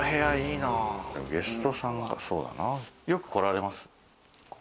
ゲストさんはよく来られます？